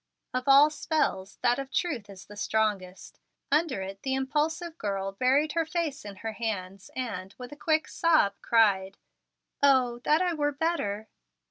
Of all spells, that of truth is the strongest. Under it the impulsive girl buried her face in her hands and, with a quick sob, cried, "O that I were better!"